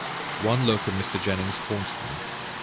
One look of Mr. Jennings haunted me.